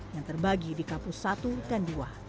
yang terbagi di kapus satu dan dua